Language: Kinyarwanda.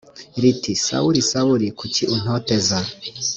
riti sawuli sawuli kuki untoteza